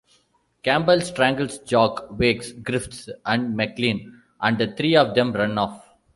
Campbell strangles Jock, wakes Griffiths and McLean, and the three of them run off.